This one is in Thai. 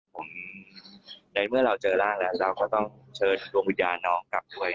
ผมในเมื่อเราเจอร่างแล้วเราก็ต้องเชิญดวงวิญญาณน้องกลับด้วย